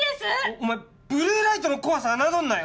お前ブルーライトの怖さ侮んなよ。